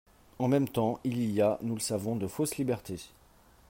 En même temps, il y a, nous le savons, de fausses libertés.